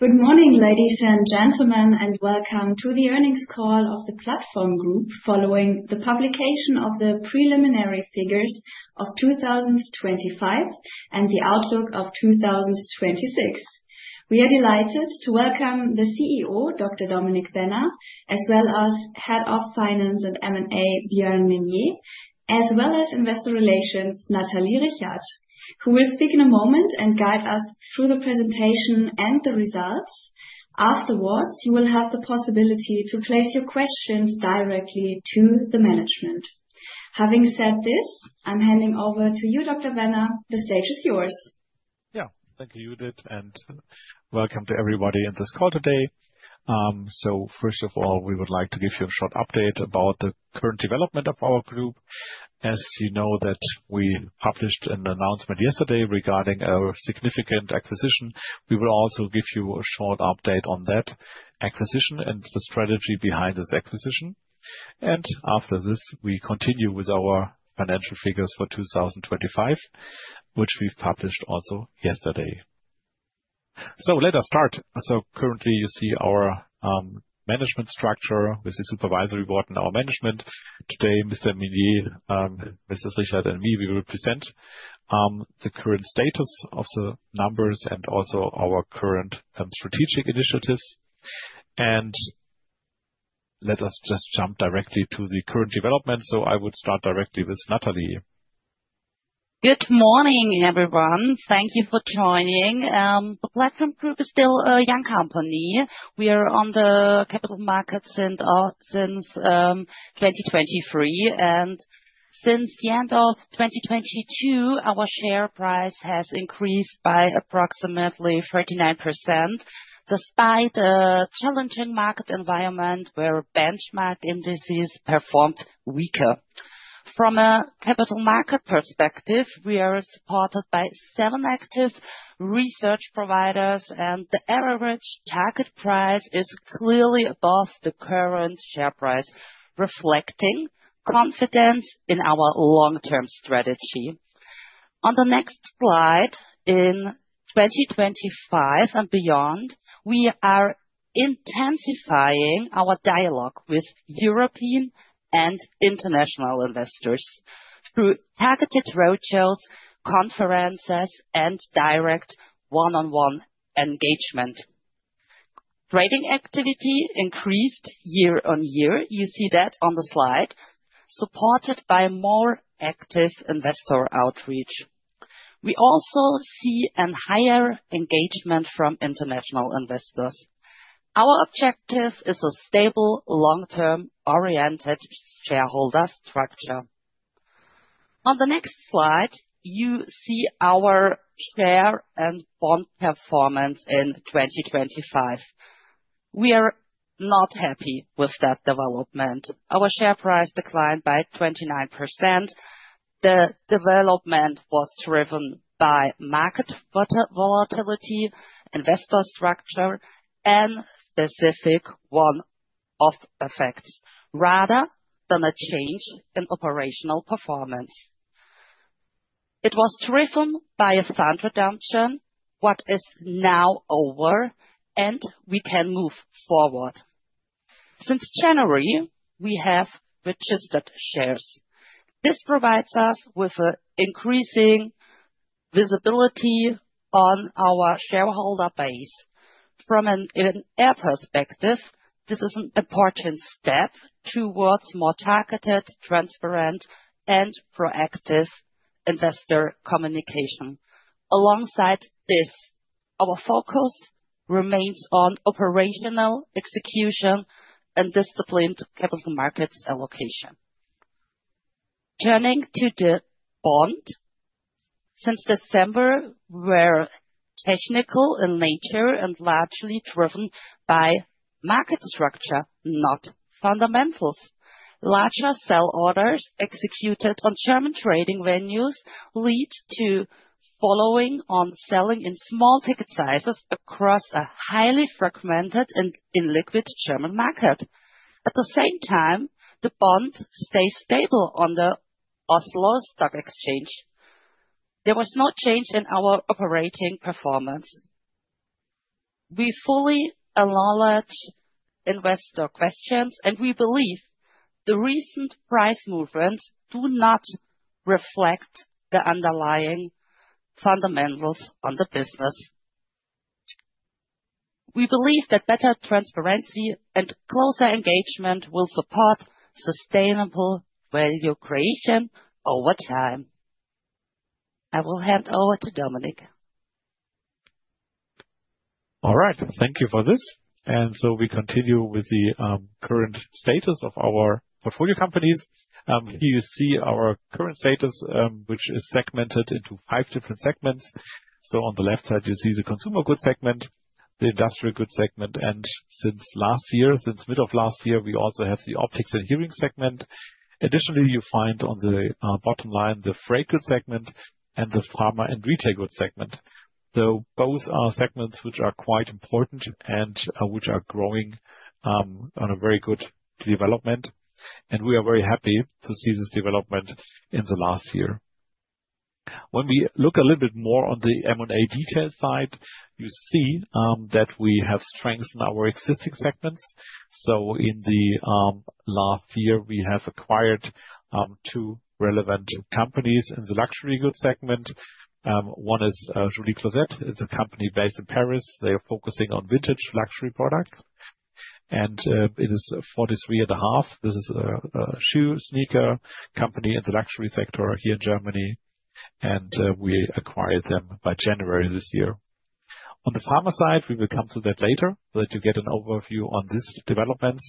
Good morning, ladies and gentlemen, and welcome to the earnings call of The Platform Group, following the publication of the preliminary figures of 2025, and the outlook of 2026. We are delighted to welcome the CEO, Dr. Dominik Benner, as well as Head of Finance and M&A, Björn Minnier, as well as Investor Relations, Nathalie Richert, who will speak in a moment and guide us through the presentation and the results. Afterwards, you will have the possibility to place your questions directly to the management. Having said this, I'm handing over to you, Dr. Benner. The stage is yours. Yeah. Thank you, Judith, and welcome to everybody in this call today. So first of all, we would like to give you a short update about the current development of our group. As you know that we published an announcement yesterday regarding a significant acquisition. We will also give you a short update on that acquisition and the strategy behind this acquisition. After this, we continue with our financial figures for 2025, which we've published also yesterday. Let us start. Currently, you see our management structure with the supervisory board and our management. Today, Mr. Minnier, Mrs. Richard and me, we will present the current status of the numbers and also our current strategic initiatives. Let us just jump directly to the current development. I would start directly with Natalie. Good morning, everyone. Thank you for joining. The Platform Group is still a young company. We are on the capital markets since 2023, and since the end of 2022, our share price has increased by approximately 39%, despite a challenging market environment where benchmark indices performed weaker. From a capital market perspective, we are supported by seven active research providers, and the average target price is clearly above the current share price, reflecting confidence in our long-term strategy. On the next slide, in 2025 and beyond, we are intensifying our dialogue with European and international investors through targeted roadshows, conferences, and direct one-on-one engagement. Trading activity increased year-on-year. You see that on the slide, supported by more active investor outreach. We also see a higher engagement from international investors. Our objective is a stable, long-term oriented shareholder structure. On the next slide, you see our share and bond performance in 2025. We are not happy with that development. Our share price declined by 29%. The development was driven by market volatility, investor structure, and specific one-off effects, rather than a change in operational performance. It was driven by a fund redemption, what is now over, and we can move forward. Since January, we have registered shares. This provides us with a increasing visibility on our shareholder base. From an IR perspective, this is an important step towards more targeted, transparent, and proactive investor communication. Alongside this, our focus remains on operational execution and disciplined capital markets allocation. Turning to the bond. Since December, were technical in nature and largely driven by market structure, not fundamentals. Larger sell orders executed on German trading venues lead to following on selling in small ticket sizes across a highly fragmented and illiquid German market. At the same time, the bond stays stable on the Oslo Stock Exchange. There was no change in our operating performance. We fully acknowledge investor questions, and we believe the recent price movements do not reflect the underlying fundamentals on the business. We believe that better transparency and closer engagement will support sustainable value creation over time. I will hand over to Dominic. All right. Thank you for this. And so we continue with the current status of our portfolio companies. Here you see our current status, which is segmented into five different segments. So on the left side, you see the consumer goods segment, the industrial goods segment, and since last year, since mid of last year, we also have the optics and hearing segment. Additionally, you find on the bottom line, the freight segment and the pharma and retail goods segment. So both are segments which are quite important and which are growing on a very good development, and we are very happy to see this development in the last year. When we look a little bit more on the M&A detail side, you see that we have strengths in our existing segments. So in the last year, we have acquired two relevant companies in the luxury goods segment. One is Joli Closet. It's a company based in Paris. They are focusing on vintage luxury products, and it is 43einhalb. This is a shoe sneaker company in the luxury sector here in Germany, and we acquired them by January this year. On the pharma side, we will come to that later, so that you get an overview on these developments.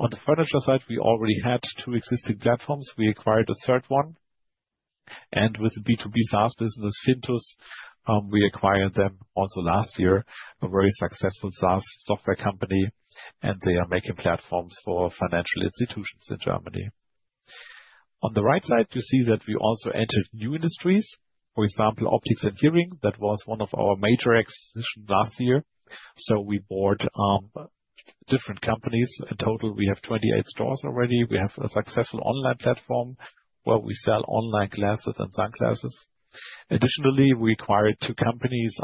On the furniture side, we already had two existing platforms. We acquired a third one, and with the B2B SaaS business, fintus, we acquired them also last year, a very successful SaaS software company, and they are making platforms for financial institutions in Germany. On the right side, you see that we also entered new industries, for example, optics and hearing. That was one of our major acquisitions last year. We bought different companies. In total, we have 28 stores already. We have a successful online platform where we sell online glasses and sunglasses. Additionally, we acquired two companies,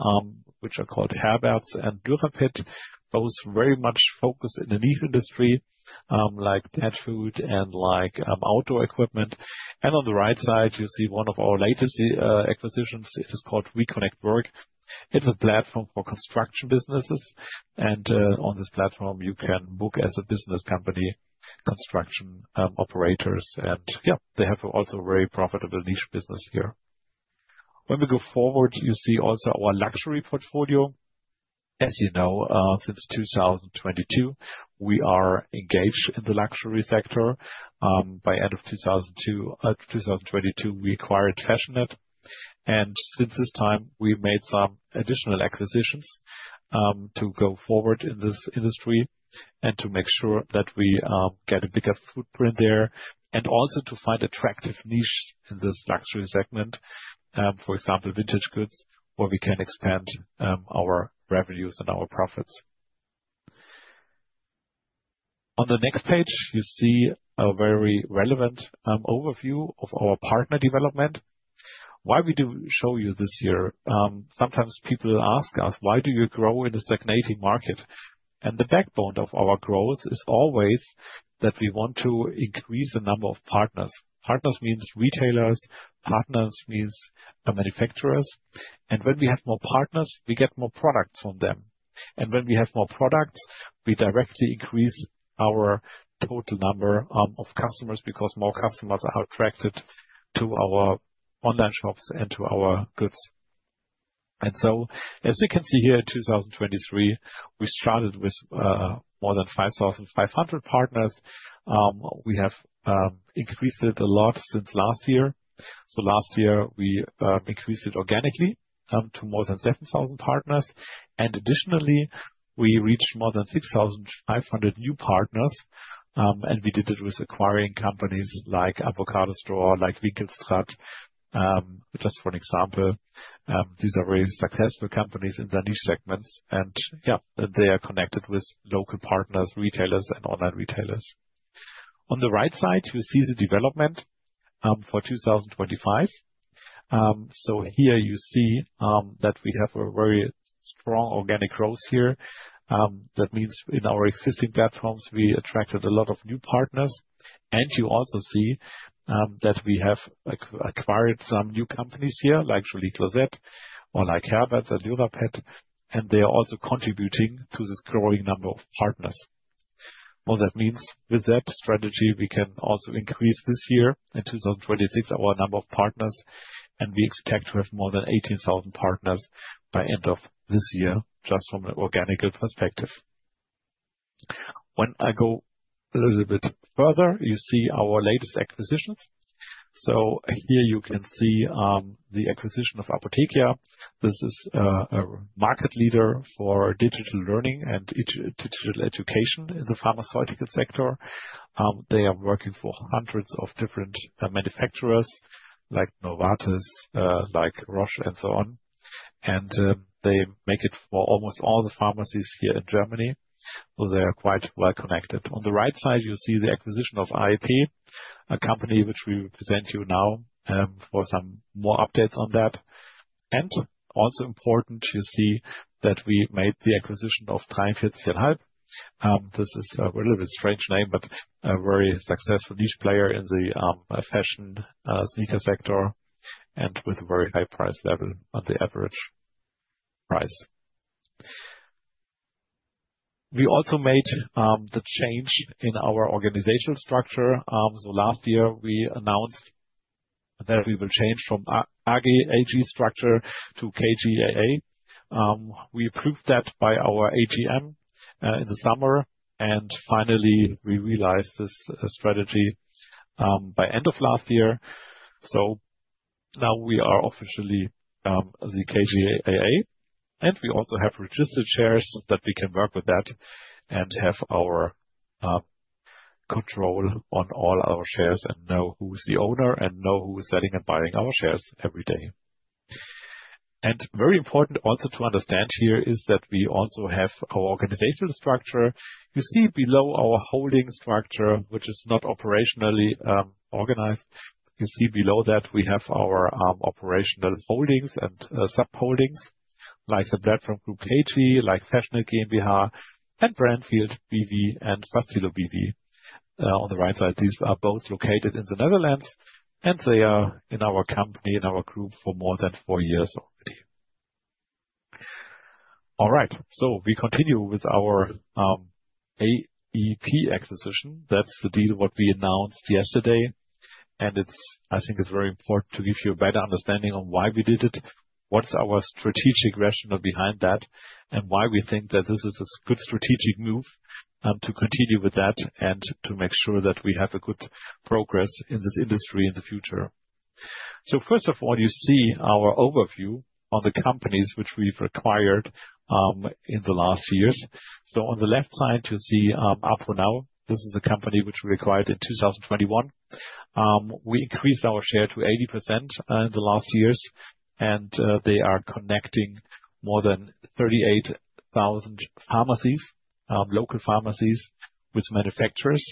which are called Herbertz and Lyra Pet, both very much focused in the niche industry, like pet food and like, outdoor equipment. On the right side, you see one of our latest acquisitions. It is called We Connect Work. It's a platform for construction businesses, and on this platform, you can book as a business company, construction operators. Yeah, they have also a very profitable niche business here. When we go forward, you see also our luxury portfolio. As you know, since 2022, we are engaged in the luxury sector. By end of 2002, 2022, we acquired fashionette, and since this time, we've made some additional acquisitions, to go forward in this industry and to make sure that we, get a bigger footprint there, and also to find attractive niches in this luxury segment, for example, vintage goods, where we can expand, our revenues and our profits. On the next page, you see a very relevant, overview of our partner development. Why we do show you this year? Sometimes people ask us: "Why do you grow in a stagnating market?" And the backbone of our growth is always that we want to increase the number of partners. Partners means retailers, partners means the manufacturers, and when we have more partners, we get more products from them. When we have more products, we directly increase our total number of customers, because more customers are attracted to our online shops and to our goods. So, as you can see here, in 2023, we started with more than 5,500 partners. We have increased it a lot since last year. Last year we increased it organically to more than 7,000 partners. And additionally, we reached more than 6,500 new partners, and we did it with acquiring companies like Avocadostore, like Winkelstraat, just for an example. These are very successful companies in their niche segments, and, yeah, they are connected with local partners, retailers, and online retailers. On the right side, you see the development for 2025. So here you see that we have a very strong organic growth here. That means in our existing platforms, we attracted a lot of new partners, and you also see that we have acquired some new companies here, like Joli Closet or like Herbertz and Lyra Pet, and they are also contributing to this growing number of partners. Well, that means with that strategy, we can also increase this year, in 2026, our number of partners, and we expect to have more than 18,000 partners by end of this year, just from an organic perspective. When I go a little bit further, you see our latest acquisitions. So here you can see the acquisition of Apothekia. This is a market leader for digital learning and digital education in the pharmaceutical sector. They are working for hundreds of different manufacturers, like Novartis, like Roche, and so on. They make it for almost all the pharmacies here in Germany, so they are quite well connected. On the right side, you see the acquisition of AEP, a company which we will present you now, for some more updates on that. And also important, you see that we made the acquisition of 43einhalb. This is a little bit strange name, but a very successful niche player in the fashion sneaker sector and with a very high price level on the average price. We also made the change in our organizational structure. So last year, we announced that we will change from AG structure to KGaA. We approved that by our AGM in the summer, and finally, we realized this strategy by end of last year. So now we are officially the KGaA, and we also have registered shares that we can work with that and have our control on all our shares and know who's the owner and know who's selling and buying our shares every day. And very important also to understand here is that we also have our organizational structure. You see below our holding structure, which is not operationally organized. You see below that we have our operational holdings and sub-holdings, like the Platform Group KGaA, like fashionette GmbH, and Brandfield BV and Fastylo BV. On the right side, these are both located in the Netherlands, and they are in our company, in our group, for more than four years already. All right, so we continue with our AEP acquisition. That's the deal what we announced yesterday, and it's, I think it's very important to give you a better understanding on why we did it, what's our strategic rationale behind that, and why we think that this is a good strategic move, to continue with that, and to make sure that we have a good progress in this industry in the future. So first of all, you see our overview of the companies which we've acquired in the last years. So on the left side, you see ApoNow. This is a company which we acquired in 2021. We increased our share to 80% in the last years, and they are connecting more than 38,000 pharmacies, local pharmacies, with manufacturers.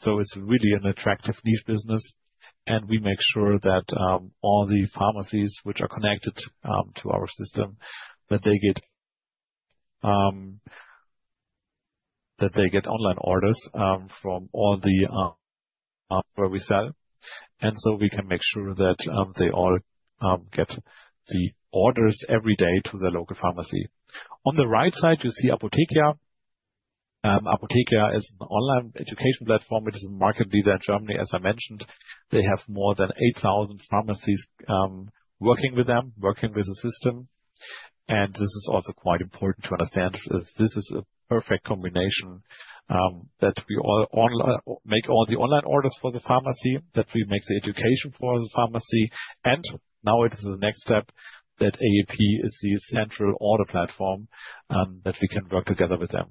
So it's really an attractive niche business, and we make sure that all the pharmacies which are connected to our system, that they get online orders from all the where we sell. And so we can make sure that they all get the orders every day to the local pharmacy. On the right side, you see Apothekia. Apothekia is an online education platform. It is a market leader in Germany, as I mentioned. They have more than 8,000 pharmacies working with them, working with the system. And this is also quite important to understand. This is a perfect combination, that we all online make all the online orders for the pharmacy, that we make the education for the pharmacy, and now it is the next step, that AEP is the central order platform, that we can work together with them.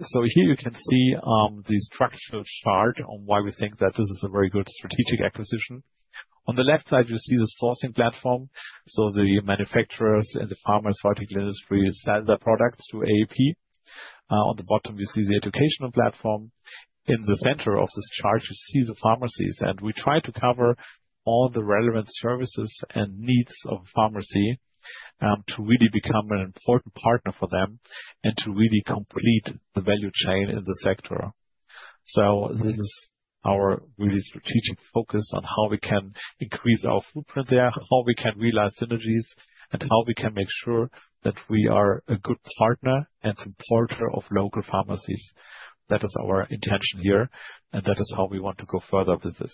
So here you can see the structural chart on why we think that this is a very good strategic acquisition. On the left side, you see the sourcing platform, so the manufacturers and the pharmaceutical industry sell their products to AEP. On the bottom, you see the educational platform. In the center of this chart, you see the pharmacies, and we try to cover all the relevant services and needs of pharmacy, to really become an important partner for them and to really complete the value chain in the sector. So this is our really strategic focus on how we can increase our footprint there, how we can realize synergies, and how we can make sure that we are a good partner and supporter of local pharmacies. That is our intention here, and that is how we want to go further with this.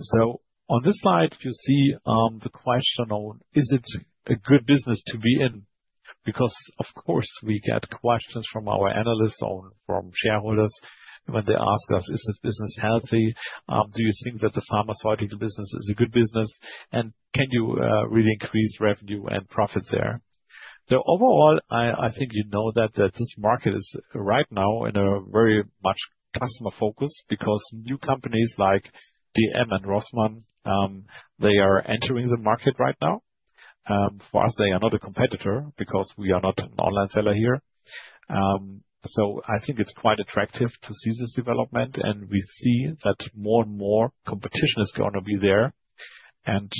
So on this slide, you see, the question on, "Is it a good business to be in?" Because, of course, we get questions from our analysts or from shareholders when they ask us: "Is this business healthy? Do you think that the pharmaceutical business is a good business? And can you really increase revenue and profits there?" So overall, I think you know that, that this market is right now in a very much customer focus, because new companies like DM and Rossmann, they are entering the market right now. For us, they are not a competitor, because we are not an online seller here. So I think it's quite attractive to see this development, and we see that more and more competition is gonna be there. And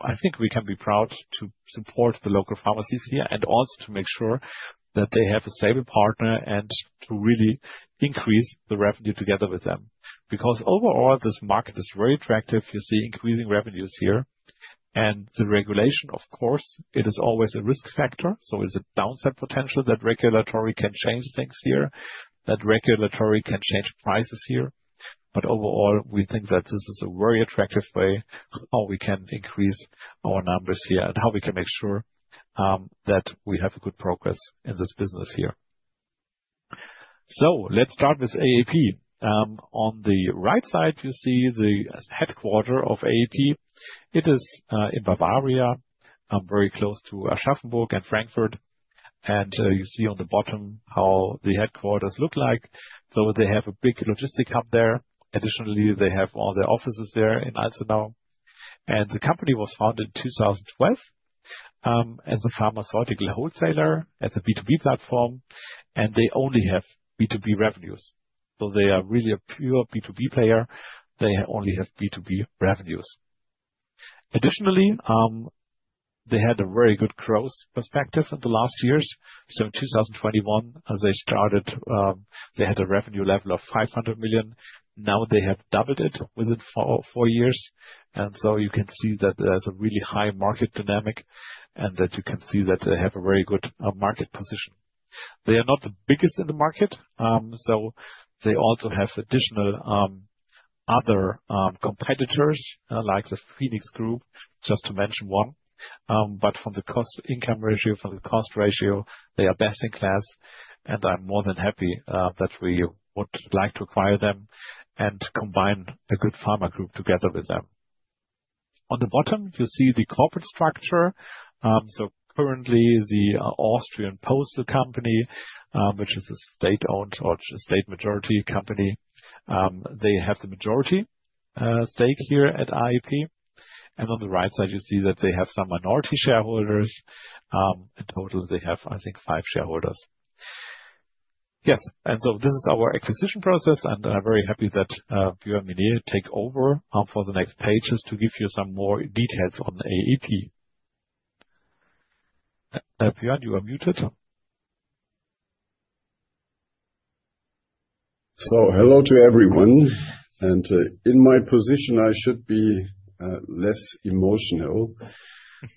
I think we can be proud to support the local pharmacies here, and also to make sure that they have a stable partner, and to really increase the revenue together with them. Because overall, this market is very attractive. You see increasing revenues here. And the regulation, of course, it is always a risk factor, so there's a downside potential that regulatory can change things here, that regulatory can change prices here. But overall, we think that this is a very attractive way how we can increase our numbers here, and how we can make sure that we have a good progress in this business here. So let's start with AEP. On the right side, you see the headquarters of AEP. It is in Bavaria, very close to Aschaffenburg and Frankfurt. You see on the bottom how the headquarters look like. So they have a big logistic hub there. Additionally, they have all their offices there in Alzenau. And the company was founded in 2012 as a pharmaceutical wholesaler, as a B2B platform, and they only have B2B revenues. So they are really a pure B2B player. They only have B2B revenues. Additionally, they had a very good growth perspective in the last years. So in 2021, as they started, they had a revenue level of 500 million. Now, they have doubled it within four years, and so you can see that there's a really high market dynamic, and that you can see that they have a very good market position. They are not the biggest in the market, so they also have additional other competitors, like the Phoenix Group, just to mention one. But from the cost-income ratio, from the cost ratio, they are best in class, and I'm more than happy that we would like to acquire them and combine a good pharma group together with them. On the bottom, you see the corporate structure. So currently, the Austrian Post, which is a state-owned or state majority company, they have the majority stake here at AEP. And on the right side, you see that they have some minority shareholders. In total, they have, I think, five shareholders. Yes, and so this is our acquisition process, and I'm very happy that Björn Minnier take over for the next pages to give you some more details on the AEP. Björn, you are muted. Hello to everyone, and in my position, I should be less emotional.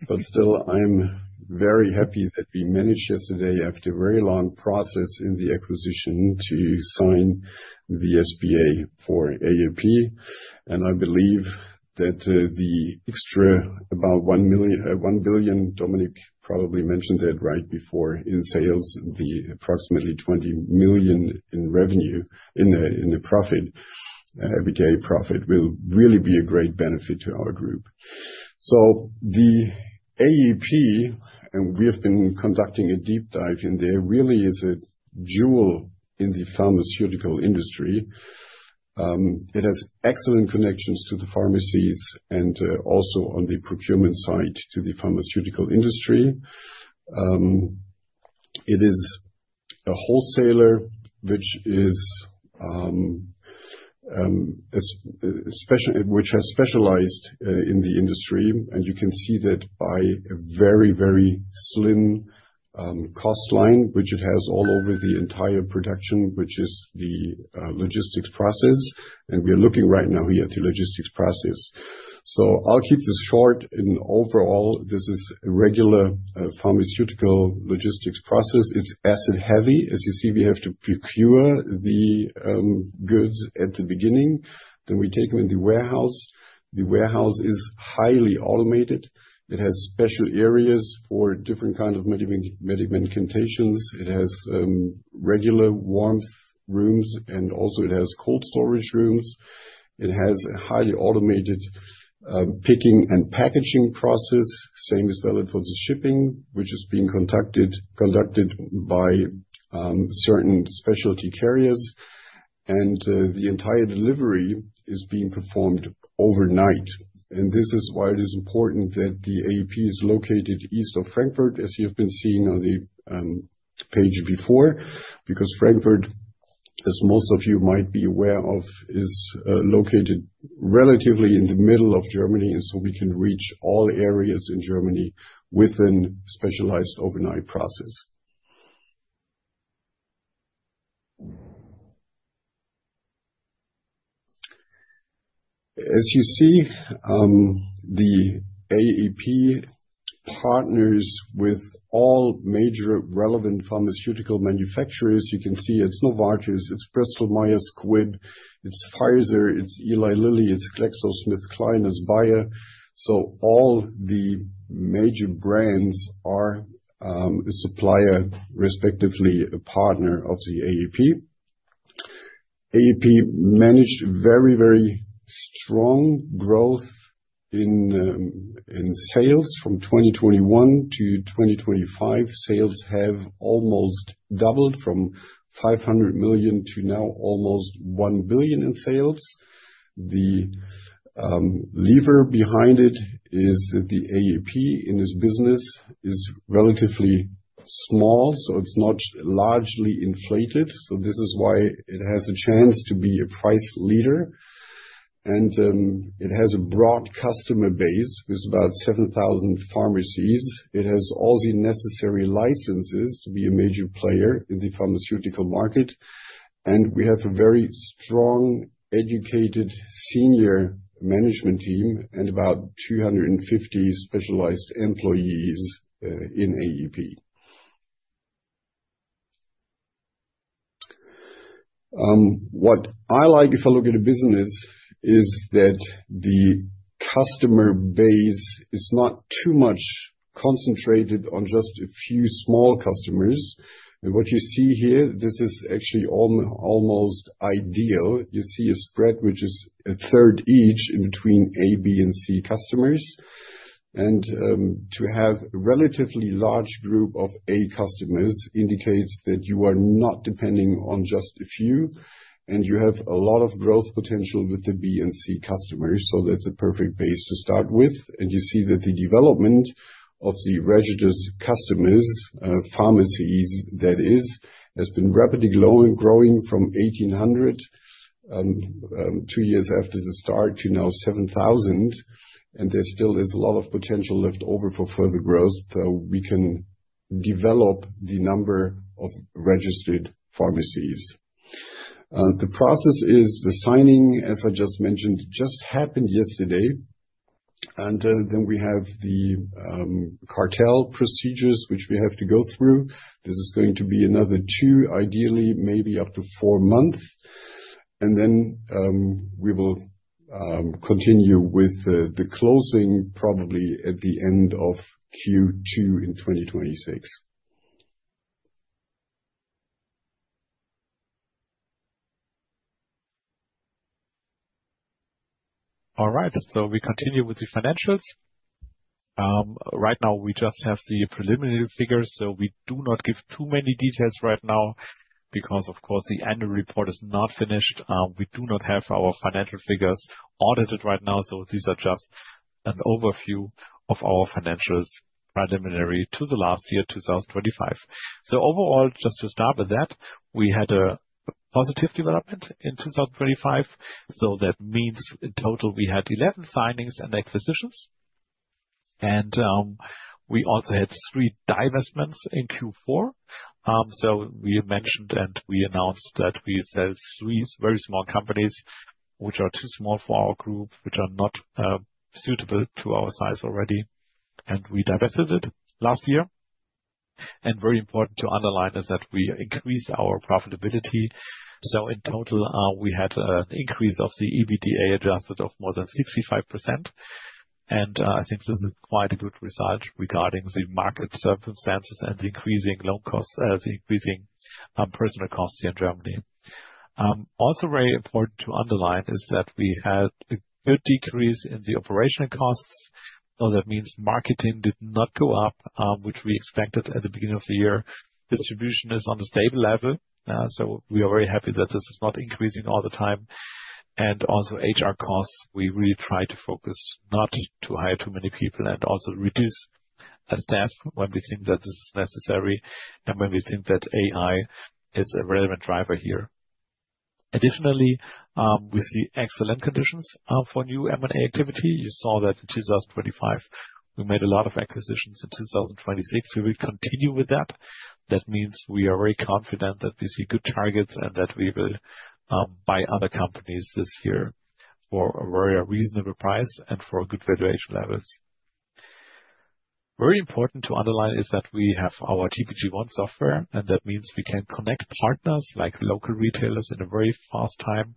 But still, I'm very happy that we managed yesterday, after a very long process in the acquisition, to sign the SPA for AEP. And I believe that the extra, about 1 million, 1 billion, Dominik probably mentioned it right before in sales, the approximately 20 million in revenue, in the profit, EBITDA profit, will really be a great benefit to our group. The AEP, and we have been conducting a deep dive in there, really is a jewel in the pharmaceutical industry. It has excellent connections to the pharmacies and also on the procurement side, to the pharmaceutical industry. It is a wholesaler, which has specialized in the industry, and you can see that by a very, very slim cost line, which it has all over the entire production, which is the logistics process, and we're looking right now here at the logistics process. So I'll keep this short, and overall, this is a regular pharmaceutical logistics process. It's asset heavy. As you see, we have to procure the goods at the beginning, then we take them in the warehouse. The warehouse is highly automated. It has special areas for different kind of medications. It has regular warm rooms, and also it has cold storage rooms. It has a highly automated picking and packaging process. Same is valid for the shipping, which is being conducted by certain specialty carriers. The entire delivery is being performed overnight, and this is why it is important that the AEP is located east of Frankfurt, as you have been seeing on the page before. Because Frankfurt, as most of you might be aware of, is located relatively in the middle of Germany, and so we can reach all areas in Germany with a specialized overnight process. As you see, the AEP partners with all major relevant pharmaceutical manufacturers. You can see it's Novartis, it's Bristol Myers Squibb, it's Pfizer, it's Eli Lilly, it's GlaxoSmithKline, it's Bayer. So all the major brands are a supplier, respectively, a partner of the AEP. AEP managed very, very strong growth in sales from 2021 to 2025. Sales have almost doubled from 500 million to now almost 1 billion in sales. The lever behind it is that the AEP, in its business, is relatively small, so it's not largely inflated, so this is why it has a chance to be a price leader. And it has a broad customer base, with about 7,000 pharmacies. It has all the necessary licenses to be a major player in the pharmaceutical market, and we have a very strong, educated senior management team and about 250 specialized employees in AEP. What I like, if I look at a business, is that the customer base is not too much concentrated on just a few small customers. And what you see here, this is actually almost ideal. You see a spread which is a third each in between A, B, and C customers. To have a relatively large group of A customers indicates that you are not depending on just a few, and you have a lot of growth potential with the B and C customers, so that's a perfect base to start with. You see that the development of the registered customers, pharmacies that is, has been rapidly growing from 1,800, two years after the start, to now 7,000, and there still is a lot of potential left over for further growth. We can develop the number of registered pharmacies. The process is the signing, as I just mentioned, just happened yesterday, and then we have the cartel procedures, which we have to go through. This is going to be another 2, ideally, maybe up to 4 months, and then we will continue with the closing probably at the end of Q2 in 2026. All right, so we continue with the financials. Right now we just have the preliminary figures, so we do not give too many details right now, because, of course, the annual report is not finished. We do not have our financial figures audited right now, so these are just an overview of our financials preliminary to the last year, 2025. So overall, just to start with that, we had a positive development in 2025. So that means in total we had 11 signings and acquisitions, and, we also had three divestments in Q4. So we mentioned and we announced that we sell three very small companies which are too small for our group, which are not, suitable to our size already, and we divested it last year. Very important to underline is that we increased our profitability. So in total, we had an increase of the adjusted EBITDA of more than 65%. And, I think this is quite a good result regarding the market circumstances and the increasing loan costs, the increasing personnel costs here in Germany. Also very important to underline is that we had a good decrease in the operational costs. So that means marketing did not go up, which we expected at the beginning of the year. Distribution is on a stable level, so we are very happy that this is not increasing all the time. And also HR costs, we really try to focus not to hire too many people and also reduce our staff when we think that this is necessary and when we think that AI is a relevant driver here. Additionally, we see excellent conditions for new M&A activity. You saw that in 2025, we made a lot of acquisitions. In 2026, we will continue with that. That means we are very confident that we see good targets and that we will buy other companies this year for a very reasonable price and for good valuation levels. Very important to underline is that we have our TPG One software, and that means we can connect partners like local retailers in a very fast time.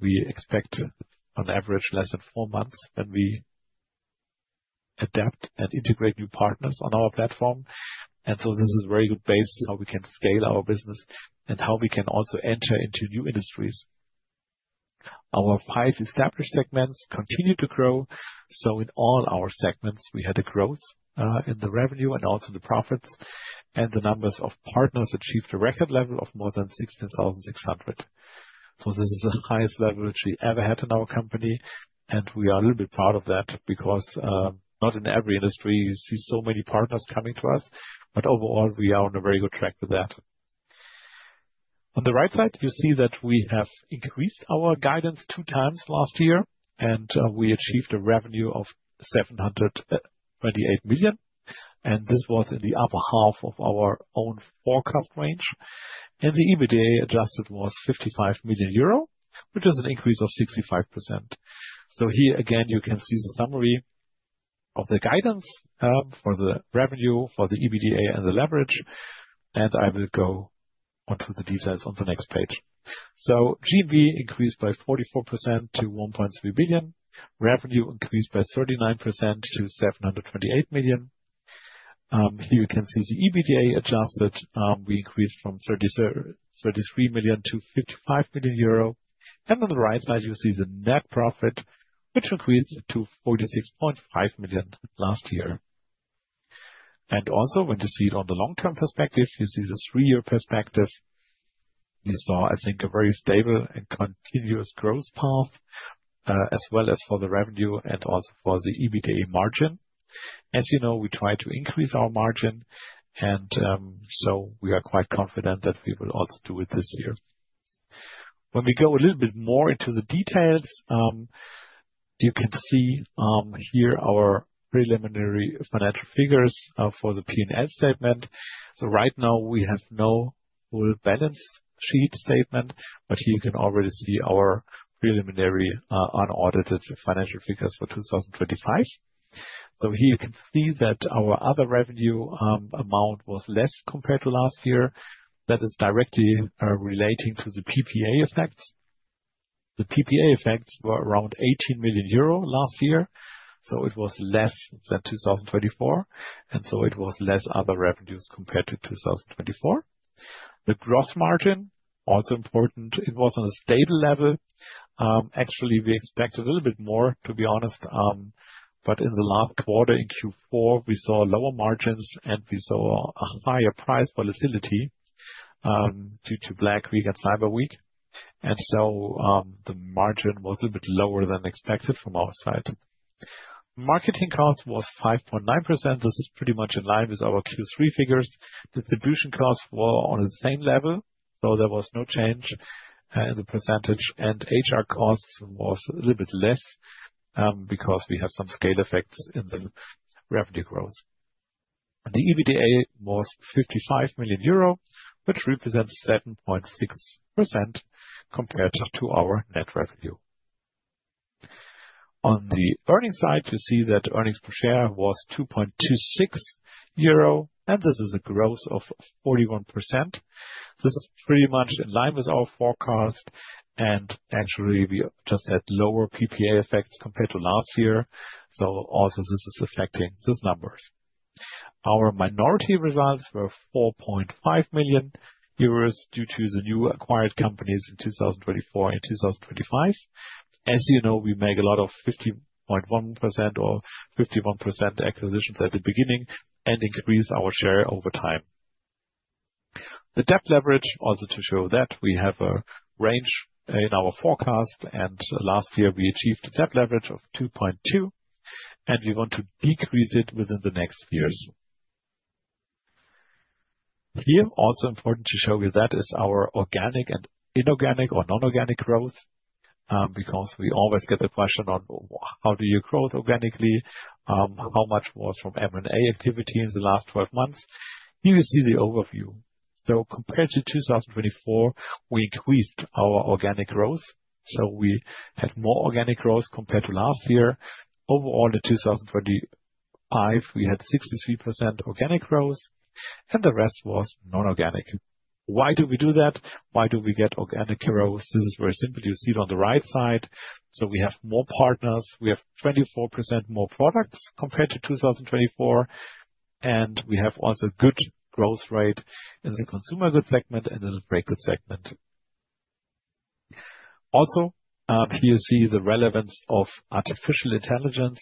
We expect, on average, less than 4 months when we adapt and integrate new partners on our platform. And so this is a very good base how we can scale our business and how we can also enter into new industries. Our 5 established segments continue to grow. So in all our segments, we had a growth in the revenue and also the profits, and the numbers of partners achieved a record level of more than 16,600. So this is the highest level which we ever had in our company, and we are a little bit proud of that, because not in every industry you see so many partners coming to us, but overall, we are on a very good track with that. On the right side, you see that we have increased our guidance 2 times last year, and we achieved a revenue of 728 million, and this was in the upper half of our own forecast range. And the EBITDA adjusted was 55 million euro, which is an increase of 65%. So here again, you can see the summary of the guidance for the revenue, for the EBITDA and the leverage, and I will go onto the details on the next page. So, GMV increased by 44% to 1.3 billion. Revenue increased by 39% to 728 million. Here you can see the adjusted EBITDA, we increased from 33 million to 55 million euro. And on the right side, you see the net profit, which increased to 46.5 million last year. And also, when you see it on the long-term perspective, you see the three-year perspective. You saw, I think, a very stable and continuous growth path, as well as for the revenue and also for the EBITDA margin. As you know, we try to increase our margin, and, so we are quite confident that we will also do it this year. When we go a little bit more into the details, you can see, here our preliminary financial figures, for the P&L statement. So right now we have no full balance sheet statement, but you can already see our preliminary, unaudited financial figures for 2025. So here you can see that our other revenue amount was less compared to last year. That is directly, relating to the PPA effects. The PPA effects were around 18 million euro last year, so it was less than 2024, and so it was less other revenues compared to 2024. The gross margin, also important, it was on a stable level. Actually, we expect a little bit more, to be honest, but in the last quarter, in Q4, we saw lower margins and we saw a higher price volatility, due to Black Week and Cyber Week. And so, the margin was a bit lower than expected from our side. Marketing cost was 5.9%. This is pretty much in line with our Q3 figures. Distribution costs were on the same level, so there was no change in the percentage, and HR costs was a little bit less, because we have some scale effects in the revenue growth. The EBITDA was 55 million euro, which represents 7.6% compared to our net revenue. On the earnings side, you see that earnings per share was 2.26 euro, and this is a growth of 41%. This is pretty much in line with our forecast, and actually, we just had lower PPA effects compared to last year, so also this is affecting these numbers. Our minority results were 4.5 million euros, due to the new acquired companies in 2024 and 2025. As you know, we make a lot of 50.1% or 51% acquisitions at the beginning, and increase our share over time. The debt leverage, also to show that, we have a range in our forecast, and last year we achieved a debt leverage of 2.2, and we want to decrease it within the next years. Here, also important to show you that is our organic and inorganic or non-organic growth, because we always get the question on how do you grow organically, how much was from M&A activity in the last twelve months? Here you see the overview. So compared to 2024, we increased our organic growth, so we had more organic growth compared to last year. Overall, in 2025, we had 63% organic growth, and the rest was non-organic. Why do we do that? Why do we get organic growth? This is very simple. You see it on the right side. So we have more partners. We have 24% more products compared to 2024, and we have also good growth rate in the consumer goods segment and in the very good segment. Also, here you see the relevance of artificial intelligence.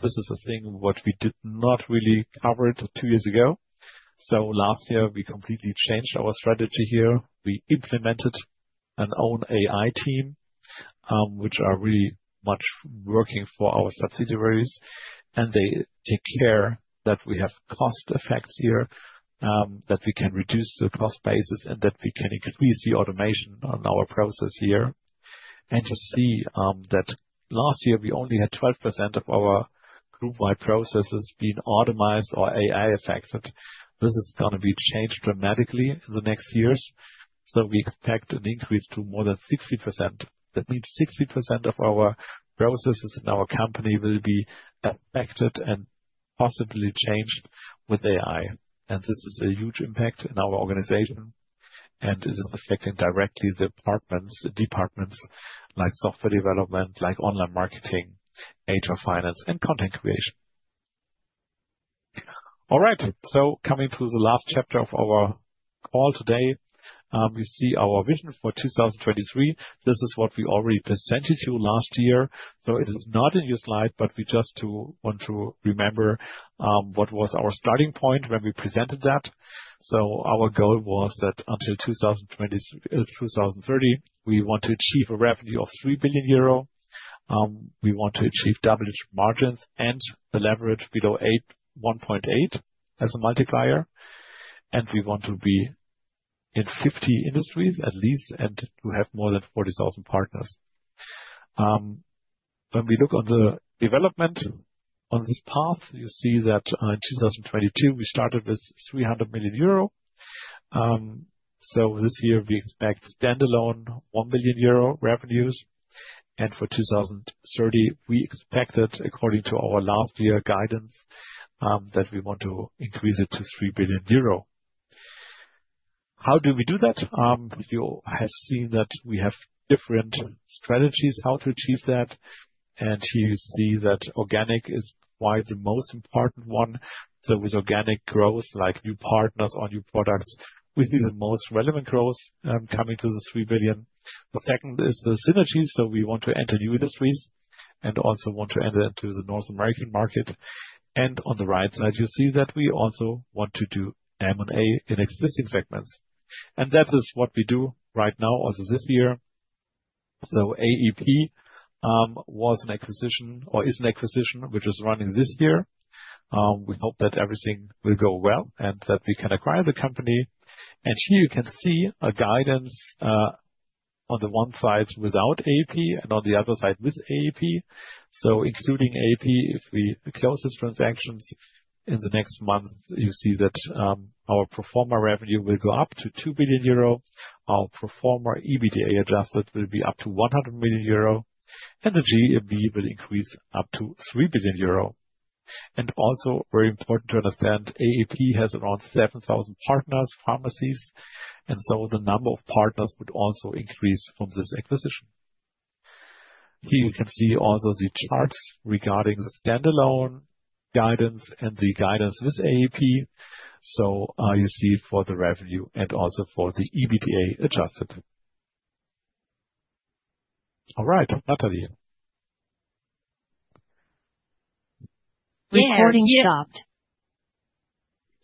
This is a thing what we did not really cover it two years ago. So last year, we completely changed our strategy here. We implemented an own AI team, which are really much working for our subsidiaries, and they take care that we have cost effects here, that we can reduce the cost basis, and that we can increase the automation on our process here. And to see, that last year we only had 12% of our group-wide processes being automated or AI affected. This is gonna be changed dramatically in the next years, so we expect an increase to more than 60%. That means 60% of our processes in our company will be affected and possibly changed with AI, and this is a huge impact in our organization, and it is affecting directly the departments, the departments like software development, like online marketing, HR, finance, and content creation. All right, so coming to the last chapter of our call today, you see our vision for 2023. This is what we already presented to you last year, so it is not a new slide, but we just want to remember what was our starting point when we presented that. So our goal was that until 2020... 2030, we want to achieve a revenue of 3 billion euro. We want to achieve double-digit margins and a leverage below 8, 1.8 as a multiplier, and we want to be in 50 industries at least, and to have more than 40,000 partners. When we look on the development on this path, you see that, in 2022, we started with 300 million euro. So this year we expect standalone 1 billion euro revenues, and for 2030, we expect that according to our last year guidance, that we want to increase it to 3 billion euro. How do we do that? You have seen that we have different strategies how to achieve that, and you see that organic is by far the most important one. So with organic growth, like new partners or new products, will be the most relevant growth, coming to the 3 billion. The second is the synergies. So we want to enter new industries and also want to enter into the North American market. And on the right side, you see that we also want to do M&A in existing segments. And that is what we do right now, also this year. So AEP, was an acquisition, or is an acquisition, which is running this year. We hope that everything will go well and that we can acquire the company. And here you can see a guidance, on the one side without AEP, and on the other side with AEP. So including AEP, if we close this transactions in the next month, you see that, our pro forma revenue will go up to 2 billion euro. Our pro forma EBITDA adjusted will be up to 100 million euro, and the GMV will increase up to 3 billion euro. Also, very important to understand, AEP has around 7,000 partners, pharmacies, and so the number of partners would also increase from this acquisition. Here you can see also the charts regarding the standalone guidance and the guidance with AEP. So, you see for the revenue and also for the EBITDA adjusted. All right, Natalie. Recording stopped. Here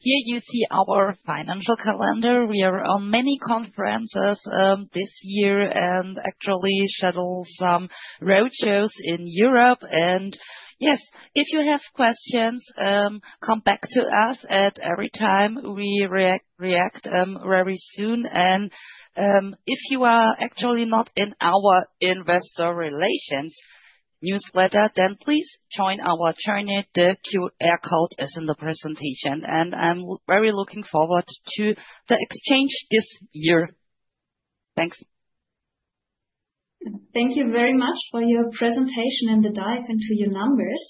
you see our financial calendar. We are on many conferences this year, and actually schedule some roadshows in Europe. And yes, if you have questions, come back to us at every time. We react very soon and, if you are actually not in our investor relations newsletter, then please join our journey; the QR code is in the presentation, and I'm very looking forward to the exchange this year. Thanks. Thank you very much for your presentation and the dive into your numbers.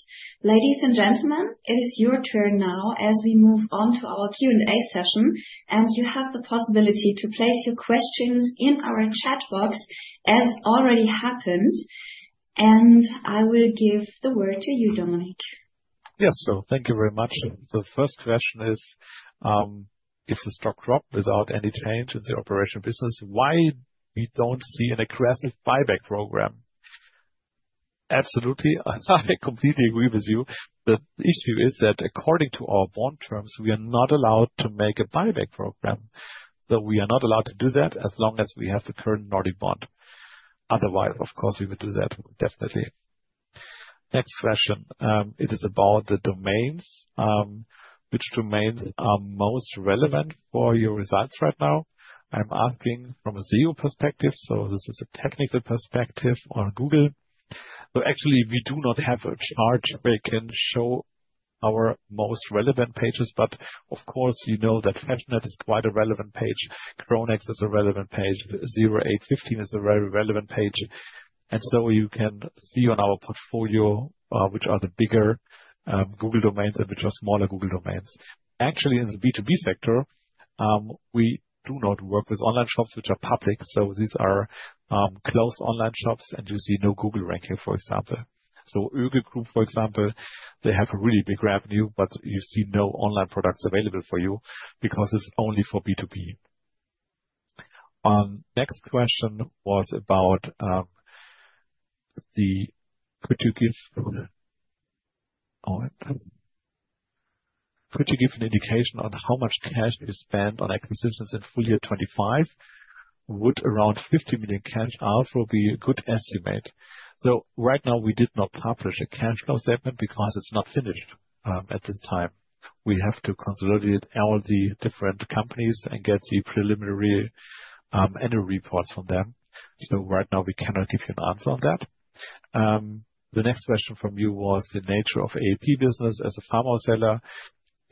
Ladies and gentlemen, it is your turn now as we move on to our Q&A session, and you have the possibility to place your questions in our chat box, as already happened... And I will give the word to you, Dominik. Yes, so thank you very much. The first question is, if the stock dropped without any change in the operation business, why we don't see an aggressive buyback program? Absolutely, I completely agree with you. The issue is that according to our bond terms, we are not allowed to make a buyback program. So we are not allowed to do that as long as we have the current Nordea bond. Otherwise, of course, we would do that, definitely. Next question, it is about the domains. Which domains are most relevant for your results right now? I'm asking from a zero perspective, so this is a technical perspective on Google. So actually, we do not have a chart where we can show our most relevant pages, but of course, you know that fashionette is quite a relevant page. Chronext is a relevant page, 0815 is a very relevant page. So you can see on our portfolio, which are the bigger Google domains and which are smaller Google domains. Actually, in the B2B sector, we do not work with online shops which are public, so these are closed online shops, and you see no Google ranking, for example. So AEP, for example, they have a really big revenue, but you see no online products available for you because it's only for B2B. Next question was about, could you give an indication on how much cash we spent on acquisitions in full year 2025? Would around 50 million cash out be a good estimate? So right now, we did not publish a cash flow statement because it's not finished at this time. We have to consolidate all the different companies and get the preliminary annual reports from them. So right now, we cannot give you an answer on that. The next question from you was the nature of AEP business as a pharma seller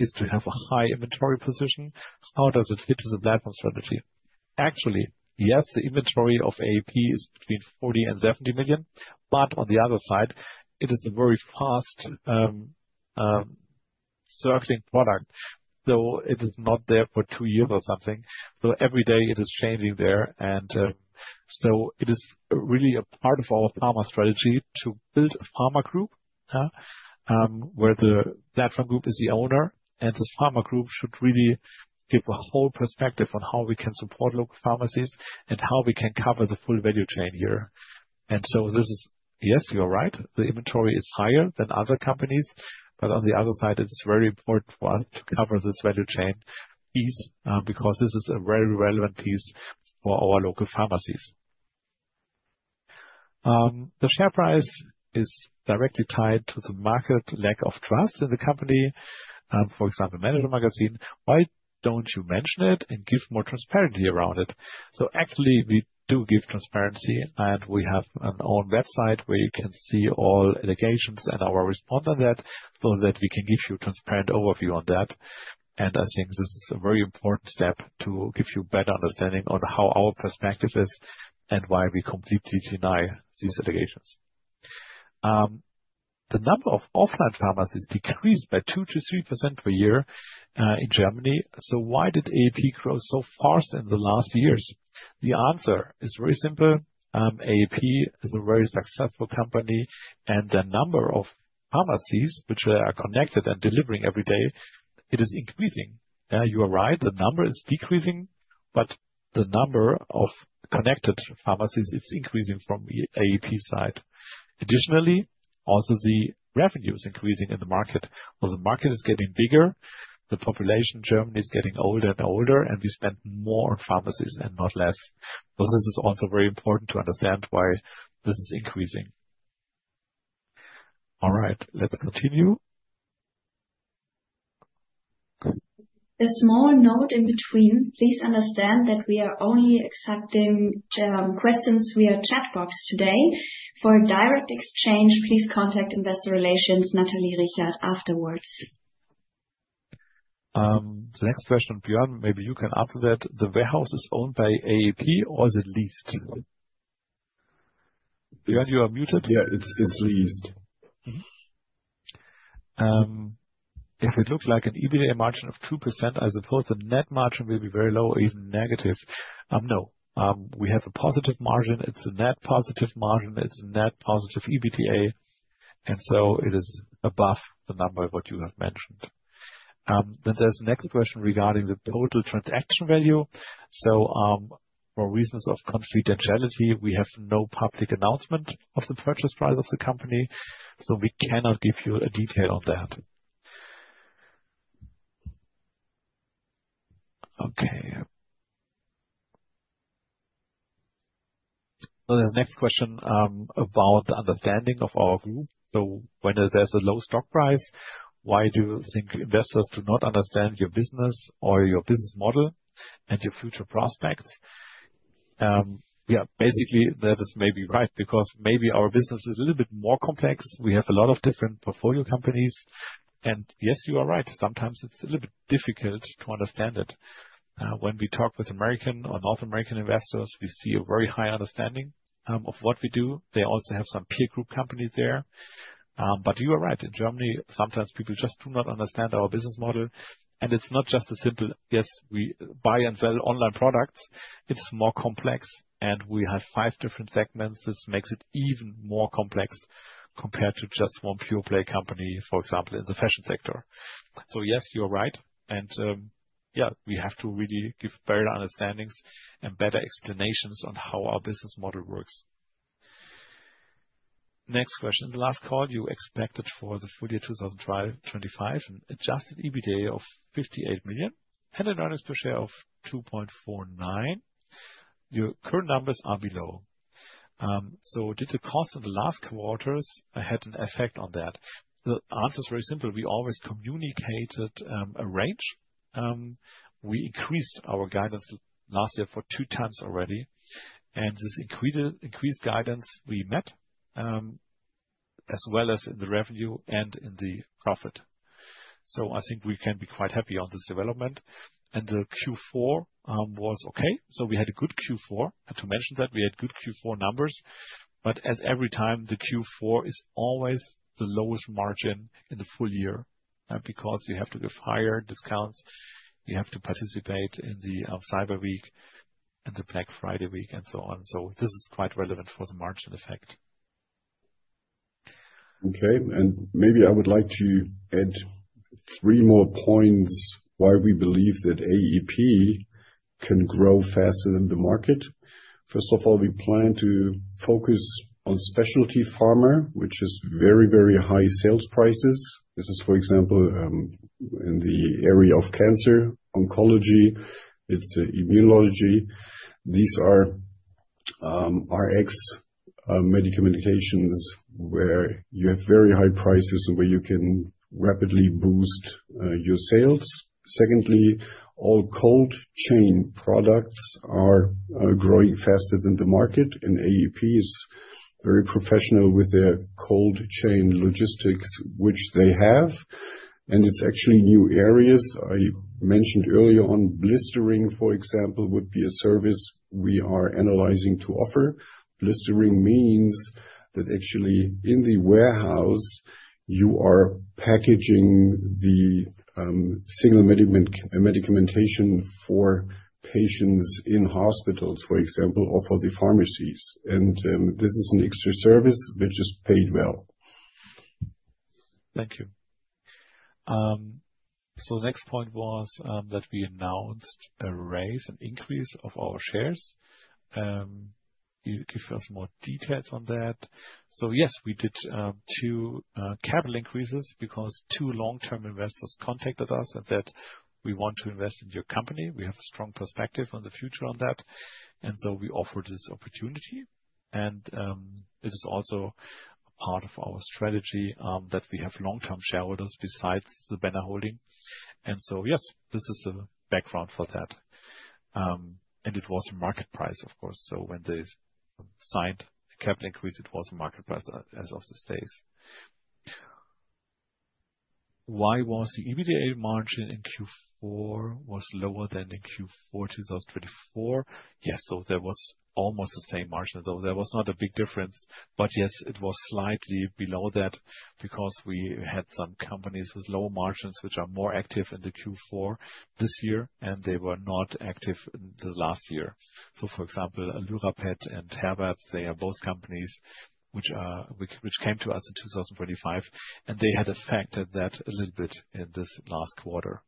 is to have a high inventory position. How does it fit as a platform strategy? Actually, yes, the inventory of AEP is between 40 million-70 million, but on the other side, it is a very fast servicing product. So it is not there for two years or something. So every day it is changing there, and so it is really a part of our pharma strategy to build a pharma group where the Platform Group is the owner. This pharma group should really give a whole perspective on how we can support local pharmacies and how we can cover the full value chain here. So this is, yes, you are right, the inventory is higher than other companies, but on the other side, it is very important one, to cover this value chain piece, because this is a very relevant piece for our local pharmacies. The share price is directly tied to the market lack of trust in the company, for example, Manager Magazin. Why don't you mention it and give more transparency around it? Actually, we do give transparency, and we have an own website where you can see all allegations and our response on that, so that we can give you a transparent overview on that. I think this is a very important step to give you better understanding on how our perspective is and why we completely deny these allegations. The number of offline pharmacies decreased by 2%-3% per year in Germany, so why did AEP grow so fast in the last years? The answer is very simple. AEP is a very successful company, and the number of pharmacies which are connected and delivering every day, it is increasing. You are right, the number is decreasing, but the number of connected pharmacies is increasing from the AEP side. Additionally, also the revenue is increasing in the market. Well, the market is getting bigger, the population in Germany is getting older and older, and we spend more on pharmacies and not less. So this is also very important to understand why this is increasing. All right, let's continue. A small note in between. Please understand that we are only accepting questions via chat box today. For direct exchange, please contact Investor Relations, Nathalie Richert, afterwards. The next question, Björn, maybe you can answer that. The warehouse is owned by AEP or is it leased? Björn, you are muted. Yeah, it's, it's leased. If it looks like an EBITDA margin of 2%, I suppose the net margin will be very low or even negative. No, we have a positive margin. It's a net positive margin, it's a net positive EBITDA, and so it is above the number of what you have mentioned. Then there's the next question regarding the total transaction value. So, for reasons of confidentiality, we have no public announcement of the purchase price of the company, so we cannot give you a detail on that. Okay. So the next question, about the understanding of our group. So when there's a low stock price, why do you think investors do not understand your business or your business model and your future prospects? Yeah, basically, that is maybe right, because maybe our business is a little bit more complex. We have a lot of different portfolio companies, and yes, you are right. Sometimes it's a little bit difficult to understand it. When we talk with American or North American investors, we see a very high understanding of what we do. They also have some peer group companies there. But you are right, in Germany, sometimes people just do not understand our business model, and it's not just a simple, yes, we buy and sell online products. It's more complex, and we have five different segments. This makes it even more complex compared to just one pure play company, for example, in the fashion sector. So yes, you're right. And, yeah, we have to really give better understandings and better explanations on how our business model works. Next question. The last call you expected for the full year 2025, an adjusted EBITDA of 58 million and an earnings per share of 2.49. Your current numbers are below. So did the cost of the last quarters had an effect on that? The answer is very simple. We always communicated a range. We increased our guidance last year two times already, and this increased guidance we met, as well as in the revenue and in the profit. So I think we can be quite happy on this development. And the Q4 was okay. So we had a good Q4, I have to mention that we had good Q4 numbers, but as every time, the Q4 is always the lowest margin in the full year, because you have to give higher discounts, you have to participate in the Cyber Week and the Black Friday week and so on. So this is quite relevant for the marginal effect. Okay, and maybe I would like to add three more points why we believe that AEP can grow faster than the market. First of all, we plan to focus on specialty pharma, which is very, very high sales prices. This is, for example, in the area of cancer, oncology, it's immunology. These are Rx medications, where you have very high prices, where you can rapidly boost your sales. Secondly, all cold chain products are growing faster than the market, and AEP is very professional with their cold chain logistics, which they have, and it's actually new areas. I mentioned earlier on blistering, for example, would be a service we are analyzing to offer. Blistering means that actually in the warehouse, you are packaging the single medication for patients in hospitals, for example, or for the pharmacies. This is an extra service which is paid well. Thank you. So the next point was, that we announced a raise, an increase of our shares. You give us more details on that. So yes, we did, 2, capital increases because 2 long-term investors contacted us and said, "We want to invest in your company. We have a strong perspective on the future on that." And so we offered this opportunity, and, it is also part of our strategy, that we have long-term shareholders besides the Benner Holding. And so, yes, this is the background for that. And it was market price, of course, so when they signed the capital increase, it was market price, as, as of these days. Why was the EBITDA margin in Q4 was lower than in Q4 2024? Yes, so there was almost the same margin, so there was not a big difference. But yes, it was slightly below that because we had some companies with lower margins, which are more active in the Q4 this year, and they were not active in the last year. So for example, Lyra Pet and Herbertz, they are both companies which came to us in 2025, and they had affected that a little bit in this last quarter.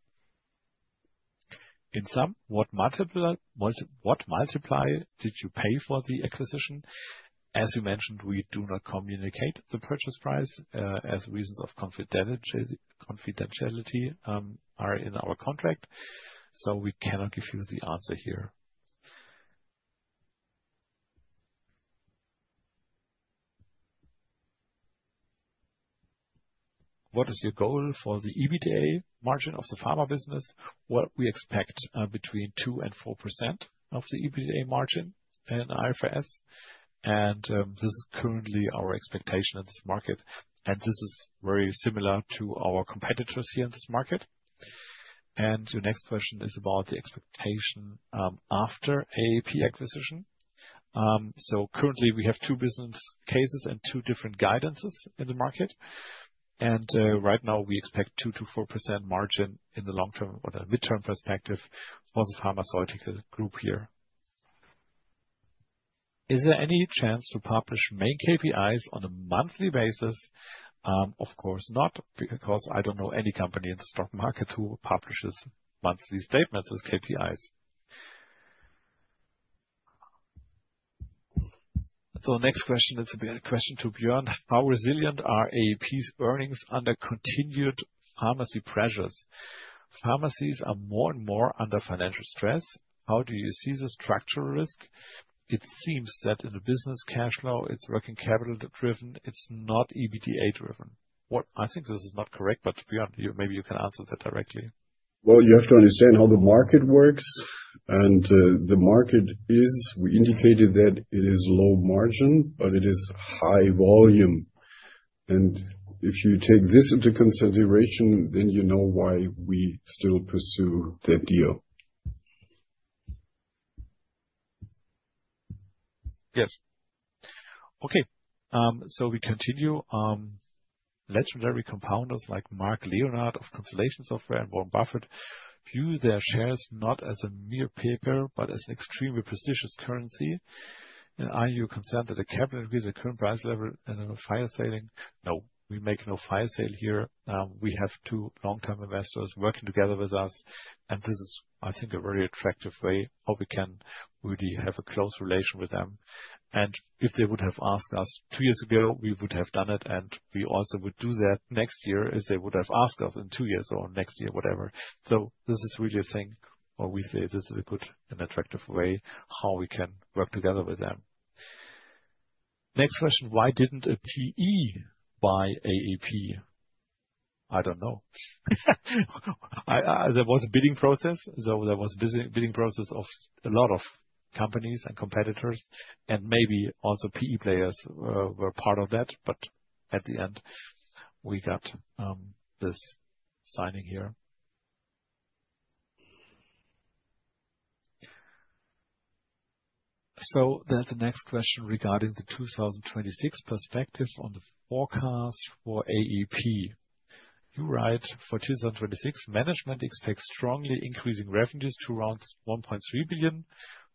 In sum, what multiple, multi- what multiply did you pay for the acquisition? As you mentioned, we do not communicate the purchase price, as reasons of confidality, confidentiality, are in our contract, so we cannot give you the answer here. What is your goal for the EBITDA margin of the pharma business? What we expect between 2%-4% of the EBITDA margin in IFRS, and this is currently our expectation in this market, and this is very similar to our competitors here in this market. Your next question is about the expectation after AEP acquisition. Currently, we have two business cases and two different guidances in the market, and right now we expect 2%-4% margin in the long term or the midterm perspective for the pharmaceutical group here. Is there any chance to publish main KPIs on a monthly basis? Of course not, because I don't know any company in the stock market who publishes monthly statements with KPIs. Next question is a question to Björn: How resilient are AEP's earnings under continued pharmacy pressures? Pharmacies are more and more under financial stress. How do you see the structural risk? It seems that in the business cash flow, it's working capital-driven, it's not EBITDA-driven. What-- I think this is not correct, but Björn, you, maybe you can answer that directly. Well, you have to understand how the market works, and, the market is. We indicated that it is low margin, but it is high volume. And if you take this into consideration, then you know why we still pursue the deal. Yes. Okay, so we continue, legendary compounders like Mark Leonard of Constellation Software and Warren Buffett view their shares not as a mere paper, but as an extremely prestigious currency. Are you concerned that the capital with the current price level and a fire selling? No, we make no fire sale here. We have two long-term investors working together with us, and this is, I think, a very attractive way how we can really have a close relationship with them. And if they would have asked us two years ago, we would have done it, and we also would do that next year, if they would have asked us in two years or next year, whatever. This is really a thing, or we say this is a good and attractive way how we can work together with them. Next question: Why didn't a PE buy AEP? I don't know. I, there was a bidding process, so there was a bidding process of a lot of companies and competitors, and maybe also PE players, were part of that, but at the end, we got, this signing here. So then the next question regarding the 2026 perspectives on the forecast for AEP. You write, "For 2026, management expects strongly increasing revenues to around 1.3 billion,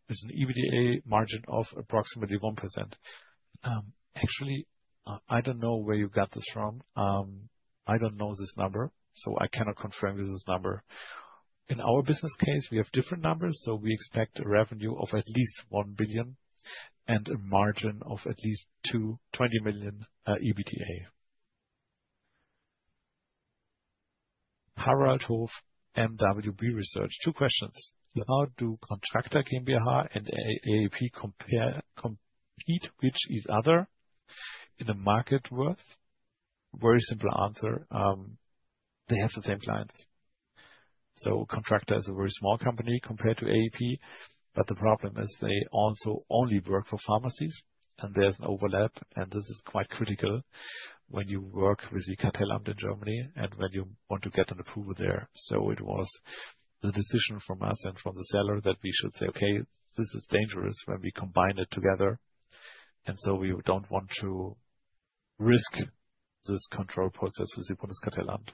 with an EBITDA margin of approximately 1%." Actually, I don't know where you got this from. I don't know this number, so I cannot confirm this number. In our business case, we have different numbers, so we expect a revenue of at least 1 billion and a margin of at least 220 million EBITDA. Harald Hof, MWB Research. Two questions: How do Contractor GmbH and AEP compare, compete with each other in the market worth? Very simple answer. They have the same clients. So Contractor is a very small company compared to AEP, but the problem is they also only work for pharmacies, and there's an overlap, and this is quite critical when you work with the Kartellamt in Germany and when you want to get an approval there. So it was the decision from us and from the seller that we should say, "Okay, this is dangerous when we combine it together, and so we don't want to risk this control process with the Bundeskartellamt."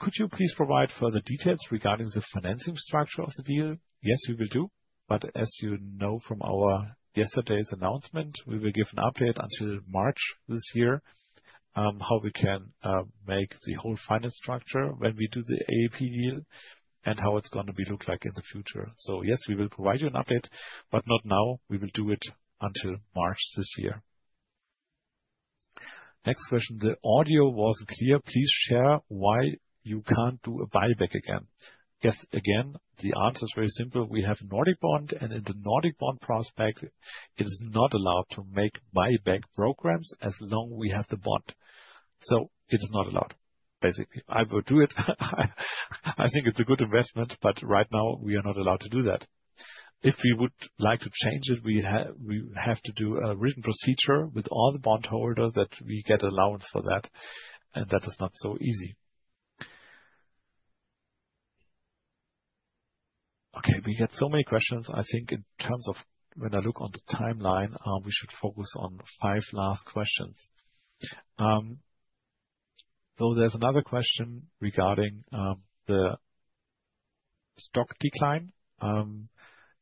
Could you please provide further details regarding the financing structure of the deal? Yes, we will do, but as you know from our yesterday's announcement, we will give an update until March this year, how we can make the whole finance structure when we do the AEP deal and how it's gonna be look like in the future. So yes, we will provide you an update, but not now. We will do it until March this year. Next question. The audio was clear. Please share why you can't do a buyback again. Yes, again, the answer is very simple. We have a Nordic bond, and in the Nordic bond prospectus, it is not allowed to make buyback programs as long we have the bond. So it is not allowed, basically. I would do it. I think it's a good investment, but right now we are not allowed to do that. If we would like to change it, we have to do a written procedure with all the bondholders that we get allowance for that, and that is not so easy. Okay, we get so many questions. I think in terms of when I look on the timeline, we should focus on the five last questions. So there's another question regarding the stock decline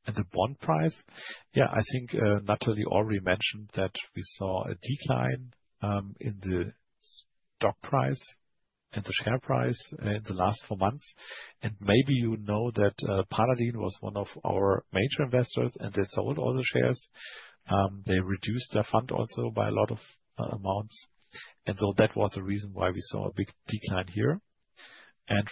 and the bond price. Yeah, I think, Natalie already mentioned that we saw a decline in the stock price and the share price in the last four months. And maybe you know that, Paladin was one of our major investors, and they sold all the shares. They reduced their fund also by a lot of amounts, and so that was the reason why we saw a big decline here.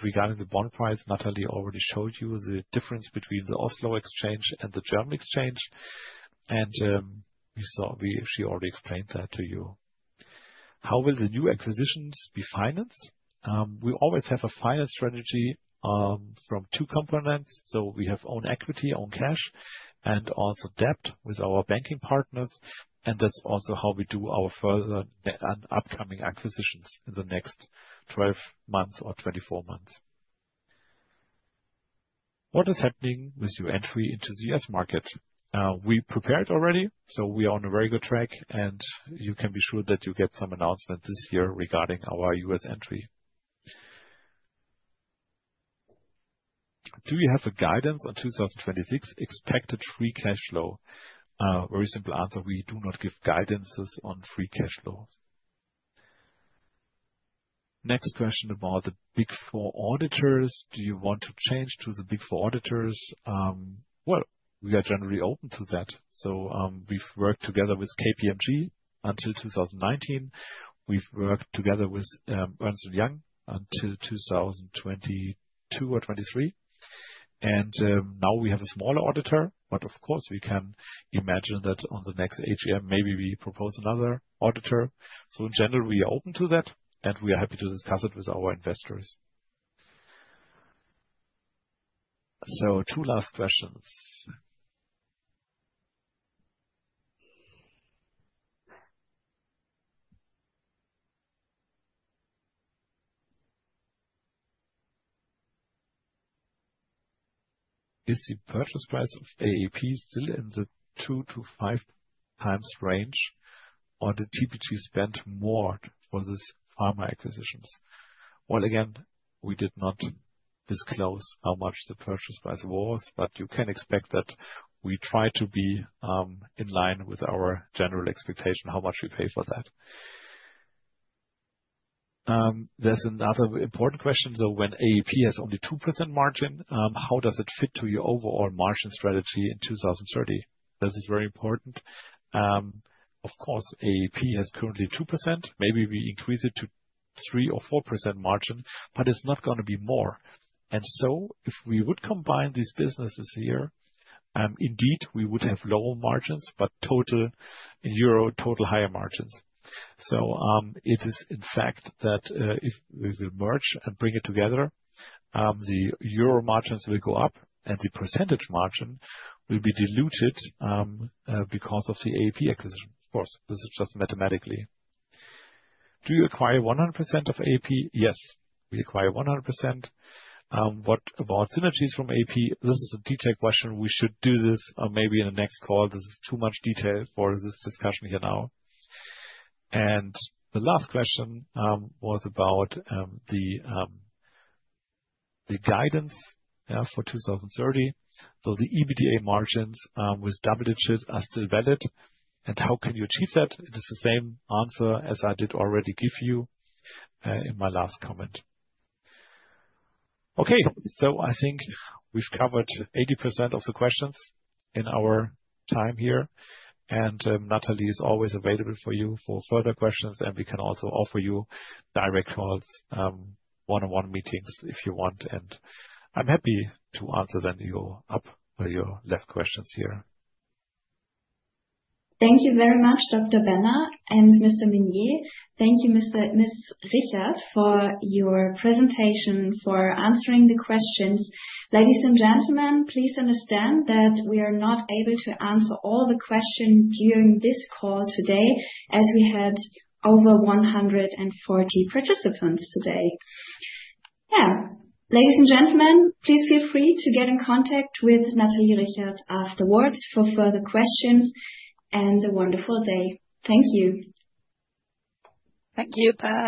Regarding the bond price, Natalie already showed you the difference between the Oslo Exchange and the German exchange, and you saw she already explained that to you. How will the new acquisitions be financed? We always have a finance strategy from two components. So we have own equity, own cash, and also debt with our banking partners, and that's also how we do our further and upcoming acquisitions in the next 12 months or 24 months. What is happening with your entry into the US market? We prepared already, so we are on a very good track, and you can be sure that you'll get some announcements this year regarding our US entry. Do you have a guidance on 2026 expected free cash flow? Very simple answer: We do not give guidances on free cash flow. Next question about the Big Four auditors. Do you want to change to the Big Four auditors? Well, we are generally open to that. So, we've worked together with KPMG until 2019. We've worked together with Ernst & Young until 2022 or 2023. And, now we have a smaller auditor, but of course, we can imagine that on the next AGM, maybe we propose another auditor. So in general, we are open to that, and we are happy to discuss it with our investors. So two last questions. Is the purchase price of AEP still in the 2-5 times range, or did TPG spend more for this pharma acquisitions? Well, again, we did not disclose how much the purchase price was, but you can expect that we try to be, in line with our general expectation, how much we pay for that. There's another important question, so when AEP has only 2% margin, how does it fit to your overall margin strategy in 2030? This is very important. Of course, AEP has currently 2%. Maybe we increase it to 3% or 4% margin, but it's not gonna be more. And so if we would combine these businesses here, indeed, we would have lower margins, but total, in euro, total higher margins. So, it is, in fact, that, if we merge and bring it together, the euro margins will go up and the percentage margin will be diluted, because of the AEP acquisition. Of course, this is just mathematically. Do you acquire 100% of AEP? Yes, we acquire 100%. What about synergies from AEP? This is a detailed question. We should do this, maybe in the next call. This is too much detail for this discussion here now. And the last question was about the guidance for 2030. So the EBITDA margins with double digits are still valid, and how can you achieve that? It is the same answer as I did already give you in my last comment. Okay, so I think we've covered 80% of the questions in our time here, and Natalie is always available for you for further questions, and we can also offer you direct calls, one-on-one meetings if you want, and I'm happy to answer then your up or your left questions here. Thank you very much, Dr. Benner and Mr. Minnier. Thank you, Ms. Richard, for your presentation, for answering the questions. Ladies and gentlemen, please understand that we are not able to answer all the questions during this call today, as we had over 140 participants today. Yeah. Ladies and gentlemen, please feel free to get in contact with Nathalie Richert afterwards for further questions and a wonderful day. Thank you. Thank you. Bye.